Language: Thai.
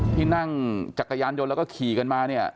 ที่นั่งจักรยานยนต์แล้วก็ขี่กันมาเนี่ย